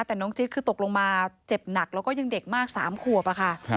แต่น้องจิ๊ดคือตกลงมาเจ็บหนักแล้วก็ยังเด็กมาก๓ขวบอะค่ะ